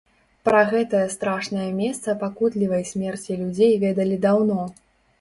Пра гэтае страшнае месца пакутлівай смерці людзей ведалі даўно.